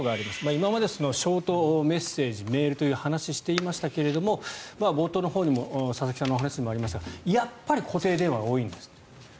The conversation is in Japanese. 今までショートメッセージメールという話をしていましたが冒頭のほうにも佐々木さんのお話にもありましたがやっぱり固定電話が多いんですって。